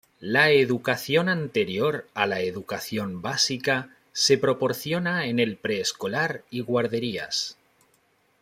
La educación anterior a la educación básica se proporciona en el preescolar y guarderías.